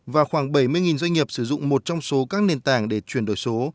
và khoảng bảy mươi doanh nghiệp sử dụng một trong số các nền tảng để chuyển đổi số